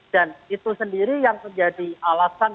dan itu sendiri yang menjadi alasan